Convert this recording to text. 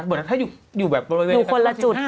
เหมือนถ้าอยู่แบบบริเวณอยู่คนละจุด